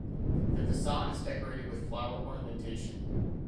The facade is decorated with flower ornamentation.